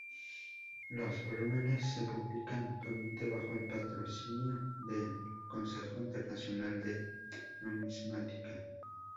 Los volúmenes se publican actualmente bajo el patrocinio del Consejo Internacional de Numismática.